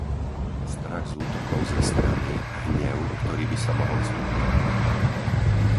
Strach z útokov z ich strany, hnev, ktorý by sa mohol stupňovať.